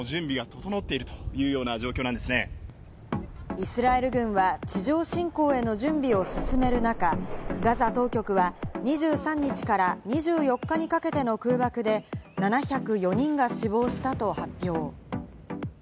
イスラエル軍は地上侵攻への準備を進める中、ガザ当局は２３日から２４日にかけての空爆で７０４人が死亡したと発表。